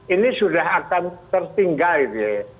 ini sudah akan tertinggal gitu ya